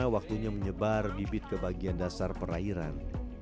waktunya menyebar bibit ke bagian dasar perairan